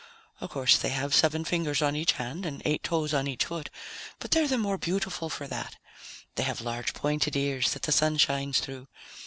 "Of course, they have seven fingers on each hand and eight toes on each foot, but they're the more beautiful for that. They have large pointed ears that the Sun shines through.